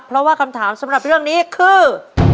เพราะว่ากำถามเรื่องนี้คื